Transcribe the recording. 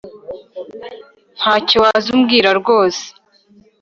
Ntacyo waza umbwira rwose